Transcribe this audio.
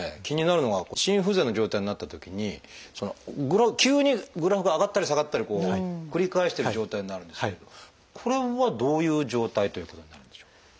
気になるのが心不全の状態になったときに急にグラフが上がったり下がったり繰り返してる状態になるんですけどこれはどういう状態ということになるんでしょう？